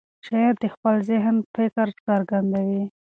شاعر د خپل ذهن فکر څرګندوي.